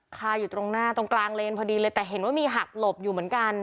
คาอยู่ตรงหน้าตรงกลางเลนพอดีเลยแต่เห็นว่ามีหักหลบอยู่เหมือนกัน